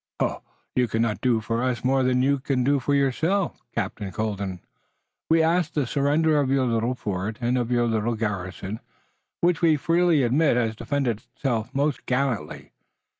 "You cannot do for us more than you can do for yourself, Captain Colden. We ask the surrender of your little fort, and of your little garrison, which we freely admit has defended itself most gallantly.